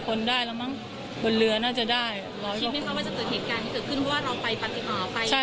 พูดสิทธิ์ข่าวธรรมดาทีวีรายงานสดจากโรงพยาบาลพระนครศรีอยุธยาครับ